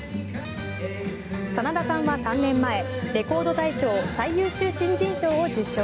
真田さんは３年前レコード大賞最優秀新人賞を受賞。